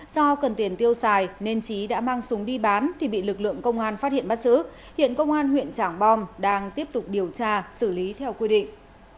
do cần tiền tiêu xài nên trí đã mang súng đi bán thì bị lực lượng công an phát hiện bắt giữ hiện công an huyện trảng bom đang tiếp tục điều tra xử lý theo quy định